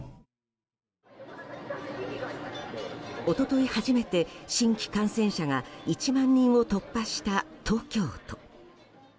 一昨日初めて、新規感染者が１万人を突破した東京都。